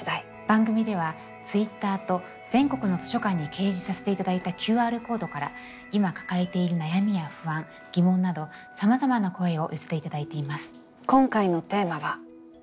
番組ではＴｗｉｔｔｅｒと全国の図書館に掲示させていただいたＱＲコードから今抱えている悩みや不安疑問などさまざまな声を寄せていただいています。